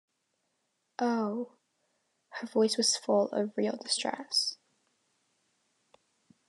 "Oh —" Her voice was full of real distress.